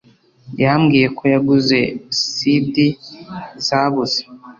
Yambwiye ko yaguze CD zabuze